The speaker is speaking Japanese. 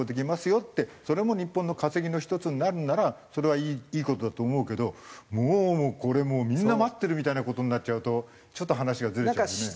よってそれも日本の稼ぎの１つになるんならそれはいい事だと思うけどもうこれみんな待ってるみたいな事になっちゃうとちょっと話がずれちゃうよね。